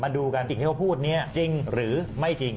ดูกันสิ่งที่เขาพูดนี้จริงหรือไม่จริง